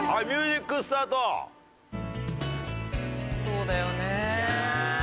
そうだよね。